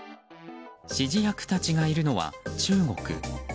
指示役たちがいるのは中国。